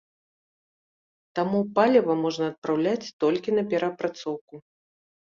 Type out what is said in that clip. Таму паліва можна адпраўляць толькі на перапрацоўку.